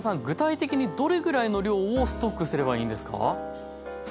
具体的にどれぐらいの量をストックすればいいんですか？